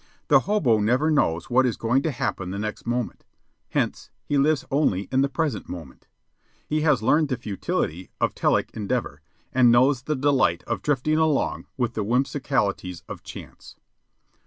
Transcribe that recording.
The hobo never knows what is going to happen the next moment; hence, he lives only in the present moment. He has learned the futility of telic endeavor, and knows the delight of drifting along with the whimsicalities of Chance.